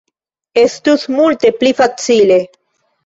Estus multe pli facile.